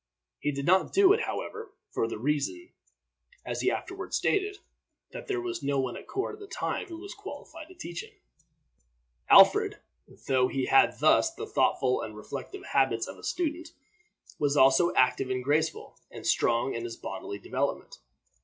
He did not do it, however, for the reason, as he afterward stated, that there was no one at court at the time who was qualified to teach him. Alfred, though he had thus the thoughtful and reflective habits of a student, was also active, and graceful, and strong in his bodily development.